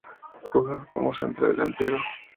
Jugaba como centro delantero.